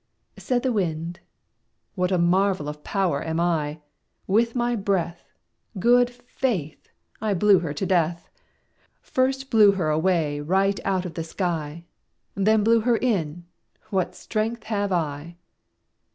Said the Wind "What a marvel of power am I! With my breath, Good faith! I blew her to death First blew her away right out of the sky Then blew her in; what strength have I!"